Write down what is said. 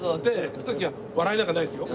その時は笑いなんかないですよ。